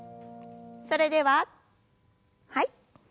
それでははい。